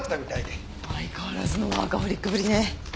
相変わらずのワーカホリックぶりね。